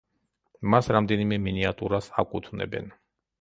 მას რამდენიმე მინიატიურას აკუთვნებენ.